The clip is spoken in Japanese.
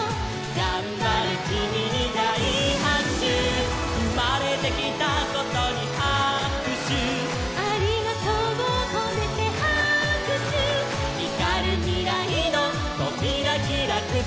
「がんばるキミにだいはくしゅ」「うまれてきたことにはくしゅ」「『ありがとう』をこめてはくしゅ」「ひかるみらいのとびらひらくそのてで」